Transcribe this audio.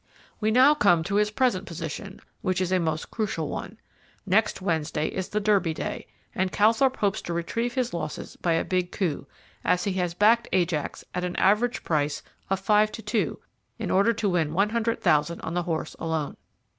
We now come to his present position, which is a most crucial one. Next Wednesday is the Derby Day, and Calthorpe hopes to retrieve his losses by a big coup, as he has backed Ajax at an average price of five to two in order to win one hundred thousand on the horse alone.